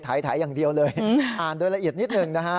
ถ่ายอย่างเดียวเลยอ่านโดยละเอียดนิดหนึ่งนะฮะ